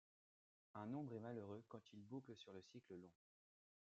Un nombre est malheureux quand il boucle sur le cycle long.